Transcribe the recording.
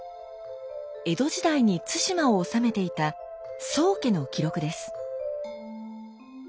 江戸時代に対馬を治めていた宗家の記録です。